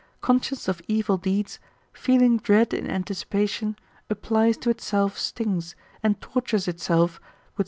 conscious of evil deeds, feeling dread in anticipation, applies to itself stings, and tortures itself ynth.